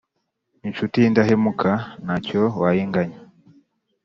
Incuti y’indahemuka nta cyo wayinganya